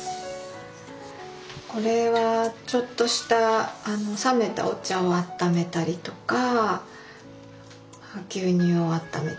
これはちょっとした冷めたお茶をあっためたりとか牛乳をあっためたりとか。